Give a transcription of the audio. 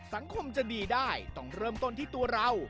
สังคมจะดีได้ต้องเริ่มต้นที่ตัวเรา